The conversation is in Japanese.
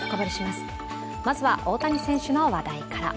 まずは、大谷選手の話題から。